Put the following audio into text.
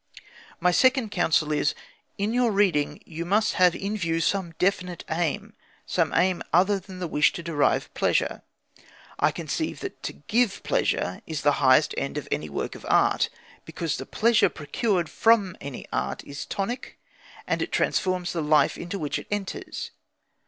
My second counsel is: In your reading you must have in view some definite aim some aim other than the wish to derive pleasure. I conceive that to give pleasure is the highest end of any work of art, because the pleasure procured from any art is tonic, and transforms the life into which it enters.